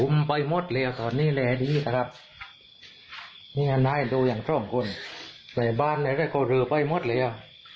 มันให้ดูอย่างทรงคลในบ้านเขาลืมไปหมดเลยอ่ะ